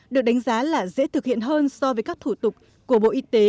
được đánh giá là dễ thực hiện hơn so với các thủ tục của bộ y tế